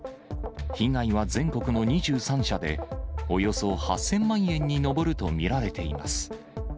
被害は全国の２３社で、およそ８０００万円に上ると見られています。